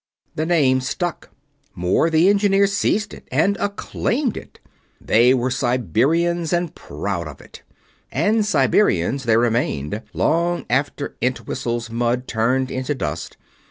The name stuck. More, the Engineers seized it and acclaimed it. They were Siberians, and proud of it, and Siberians they remained; long after Entwhistle's mud turned into dust.